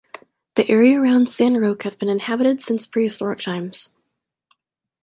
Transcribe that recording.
The area around San Roque has been inhabited since prehistoric times.